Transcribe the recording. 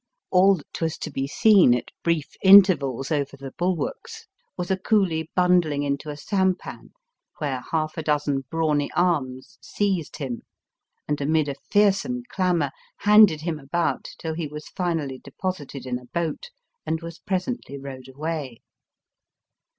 All that was to be seen at brief intervals over the bulwarks was a coolie bundhng into a sampan, where half a dozen brawny arms seized him, and amid a fearsome clamour handed him about till he was finally deposited in a boat and was presently rowed away.